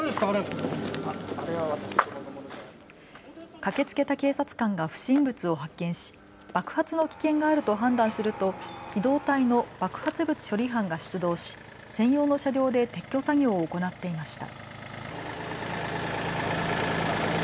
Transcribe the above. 駆けつけた警察官が不審物を発見し爆発の危険があると判断すると機動隊の爆発物処理班が出動し専用の車両で撤去作業を行っていました。